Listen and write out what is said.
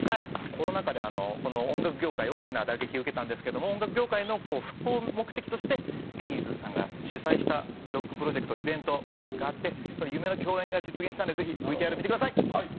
コロナ禍で音楽業界大きな打撃を受けたんですけども音楽業界の復興を目的としてＢ’ｚさんが主催したロックプロジェクトイベントがあって夢の共演が実現したんでぜひＶＴＲ見てください。